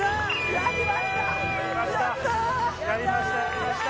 やりました！